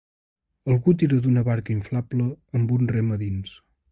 Algú tira d'una barca inflable amb un rem a dins